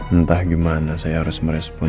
entah gimana saya harus merespon